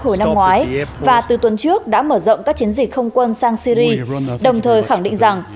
hồi năm ngoái và từ tuần trước đã mở rộng các chiến dịch không quân sang syri đồng thời khẳng định rằng